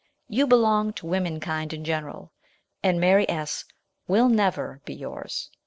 You belong to womenkind in general, and Mary S. will never be yours.